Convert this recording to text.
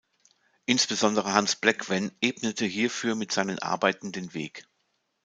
Insbesondere Hans Bleckwenn ebnete hierfür mit seinen Arbeiten den Weg.